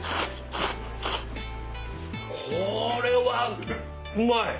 これはうまい！